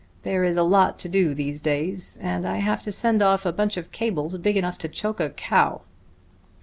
There is a lot to do these days, and I have to send off a bunch of cables big enough to choke a cow."